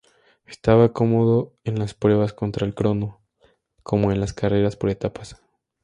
Estaba cómodo en las pruebas contra el crono como en las carreras por etapas.